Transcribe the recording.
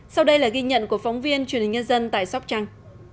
sau đây là ghi nhận của phóng viên truyền hình nhân dân tại sóc trăng